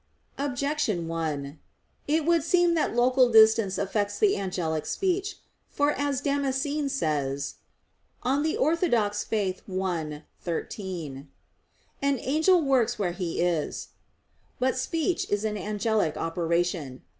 Objection 1: It would seem that local distance affects the angelic speech. For as Damascene says (De Fide Orth. i, 13): "An angel works where he is." But speech is an angelic operation.